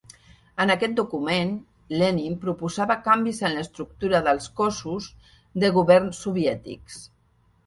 En aquest document, Lenin proposava canvis en l'estructura dels cossos de govern soviètics.